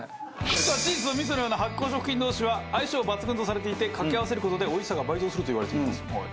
実はチーズと味噌のような発酵食品同士は相性抜群とされていて掛け合わせる事でおいしさが倍増するといわれています。